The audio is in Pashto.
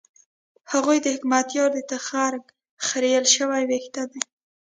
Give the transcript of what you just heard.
هغوی د حکمتیار د تخرګ خرېیل شوي وېښته دي.